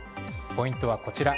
ポイントはこちら。